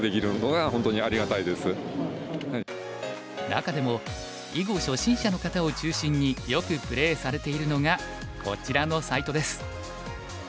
中でも囲碁初心者の方を中心によくプレイされているのがこちらのサイトです。